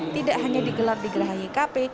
tidak hanya digelar di geraha ykp